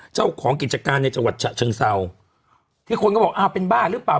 เจ้าของกิจการในจังหวัดฉะเชิงเศร้าที่คนก็บอกอ้าวเป็นบ้าหรือเปล่า